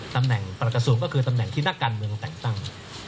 ตำแหน่งประหลักกระทรวงก็คือตำแหน่งที่นักการเมืองแต่งตั้ง